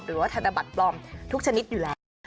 หรือว่าธนบัตรปลอมทุกชนิดอยู่แล้ว